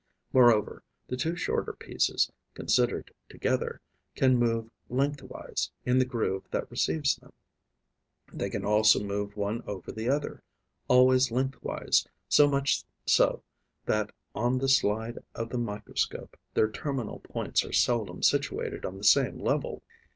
Moreover, the two shorter pieces, considered together, can move, lengthwise, in the groove that receives them; they can also move one over the other, always lengthwise, so much so that, on the slide of the microscope, their terminal points are seldom situated on the same level.